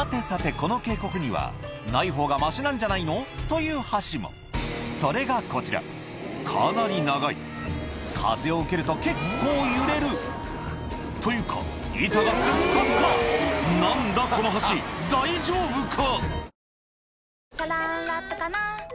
この渓谷にはそれがこちらかなり長い風を受けると結構揺れるというか板がスッカスカ何だこの橋大丈夫か？